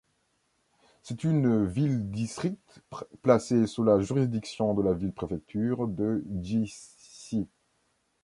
C'est une ville-district placée sous la juridiction de la ville-préfecture de Jixi.